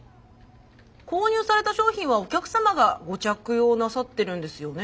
購入された商品はお客様がご着用なさってるんですよね？